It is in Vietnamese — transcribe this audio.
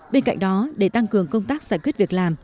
bên cạnh đó để tăng cường công tác giải quyết việc làm